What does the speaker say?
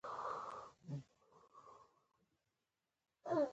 بهرنۍ مرستې پر بنسټونو لږې مثبتې اغېزې لرلی شي.